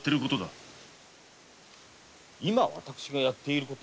今私がやっている事？